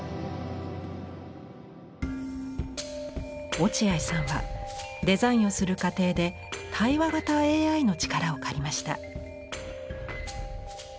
落合さんはデザインをする過程で対話型ＡＩの力を借りました。